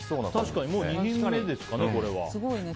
確かに、もう２品目ですかね。